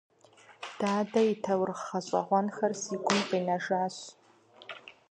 Дадэ и таурыхъ гъэщӀэгъуэнхэр си гум къинэжащ.